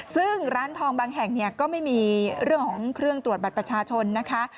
ซึ่งร้านทองบางแห่งเนี่ยก็ไม่มีเรื่องของเครื่องตรวจบัตรประชาชนนะคะ